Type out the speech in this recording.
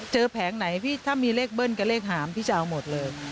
แผงไหนพี่ถ้ามีเลขเบิ้ลกับเลขหามพี่จะเอาหมดเลย